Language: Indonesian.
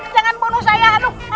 jangan bunuh saya